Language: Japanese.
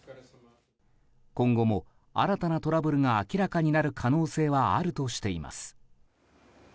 今後も新たなトラブルが明らかになる可能性はあるとしています。